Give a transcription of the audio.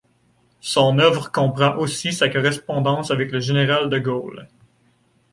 Son œuvre comprend aussi sa correspondance avec le général de Gaulle.